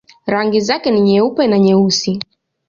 Rangi zake ni nyeupe na nyeusi.